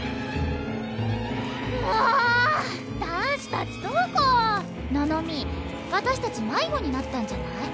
もう男子たちどこ？ののみ私たち迷子になったんじゃない？